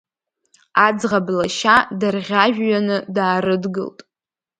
Аӡӷаб лашьа дарӷьажәҩаны даарыдгылт.